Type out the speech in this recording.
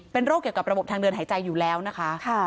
เป็นโรคเกี่ยวกับระบบทางเดินหายใจอยู่แล้วนะคะ